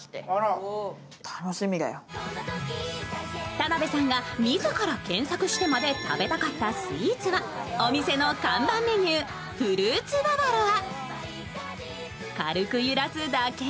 田辺さんが自ら検索してまで食べたかったスイーツは、お店の看板メニュー、フルーツババロア。